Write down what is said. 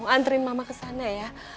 kamu mau anterin mama ke sana ya